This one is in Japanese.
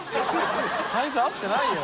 サイズ合ってないよ。